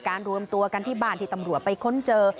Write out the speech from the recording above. รวมตัวกันที่บ้านที่ตำรวจไปค้นเจอ